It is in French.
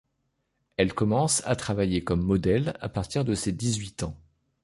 Elle commence à travailler comme modèle à partir de ses dix-huit ans.